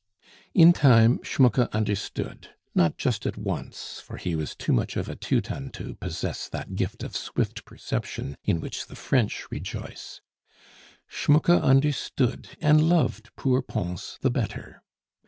In time Schmucke understood; not just at once, for he was too much of a Teuton to possess that gift of swift perception in which the French rejoice; Schmucke understood and loved poor Pons the better.